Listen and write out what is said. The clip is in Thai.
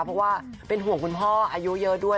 เพราะว่าเป็นห่วงคุณพ่ออายุเยอะด้วย